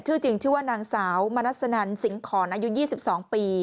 ชื่อจริงชื่อว่านางสาวมณัสนันสิงหอนอายุ๒๒ปี